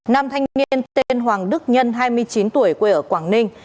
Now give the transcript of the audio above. nam thanh niên tên hoàng đức nhân hai mươi chín tuổi quê ở quảng ninh